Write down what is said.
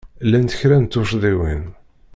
Llant kra n tuccḍiwin.